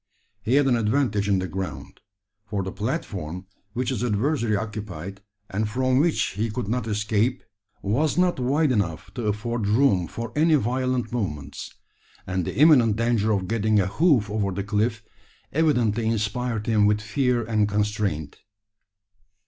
He had an advantage in the ground: for the platform which his adversary occupied, and from which he could not escape, was not wide enough to afford room for any violent movements; and the imminent danger of getting a hoof over the cliff, evidently inspired him with fear and constraint.